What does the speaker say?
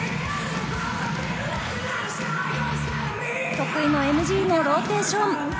得意のＭＧのローテーション。